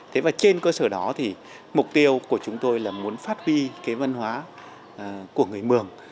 thế và trên cơ sở đó thì mục tiêu của chúng tôi là muốn phát huy cái văn hóa của người mường